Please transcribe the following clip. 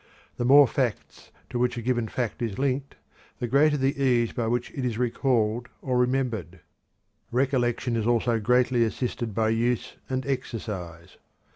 The more facts to which a given fact is linked, the greater the ease by which it is recalled or remembered. Recollection is also greatly assisted by use and exercise.